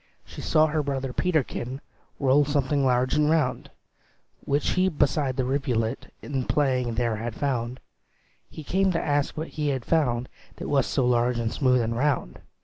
She saw her brother Peterkin Roll something large and round, Which he beside the rivulet In playing there had found; He came to ask what he had found, That was so large and smooth and round.